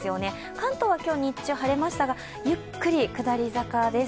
関東は今日日中、晴れましたが、ゆっくり下り坂です。